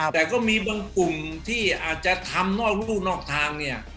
แต่ก็มีบางกลุ่มที่อาจจะทำนอกลูกนอกทางเนี่ย